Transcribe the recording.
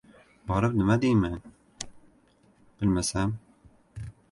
Borib nima deyman, bilmasam...